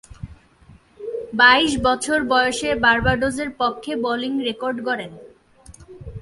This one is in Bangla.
বাইশ বছর বয়সে বার্বাডোসের পক্ষে বোলিং রেকর্ড গড়েন।